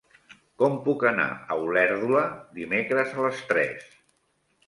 Com puc anar a Olèrdola dimecres a les tres?